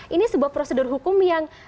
ini sebuah prosedur hukum yang